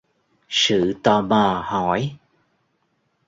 Sự tò mò hỏi